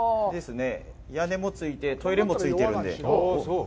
屋根も付いて、トイレもついてるんで。